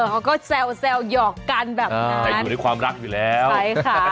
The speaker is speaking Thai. เออก็แซวเหยาะกันแบบนั้น